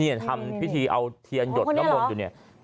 ทำพิธีเอาเทียนหยดน้ำมนต์อยู่เนี่ย